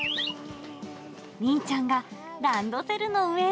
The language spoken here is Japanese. ミーちゃんがランドセルの上へ。